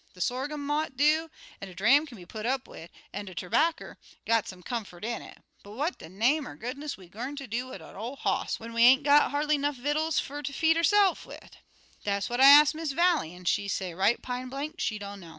De sorghum mought do, an' de dram kin be put up wid, an' de terbarker got some comfort in it, but what de name er goodness we gwine ter do wid dat ol' hoss, when we ain't got hardly 'nuff vittles fer ter feed ourse'f wid? Dat what I ax Miss Vallie, an' she say right pine blank she dunno.